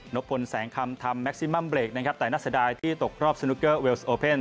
นบพลแสงคำทำแม็กซิมัมเบรกแต่นักสดายที่ตกรอบสนุกเกอร์เวลส์โอเป็น